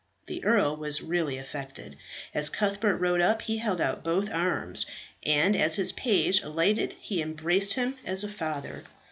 The earl was really affected. As Cuthbert rode up he held out both arms, and as his page alighted he embraced him as a father.